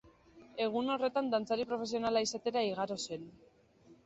Egun horretan dantzari profesionala izatera igaro zen.